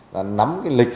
và nắm lịch họp phụ huynh